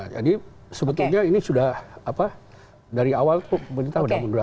jadi sebetulnya ini sudah apa dari awal pemerintah sudah menunda